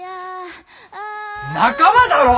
仲間だろ！